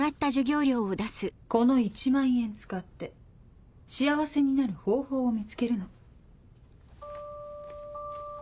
この１万円使って幸せになる方法を見つけるの。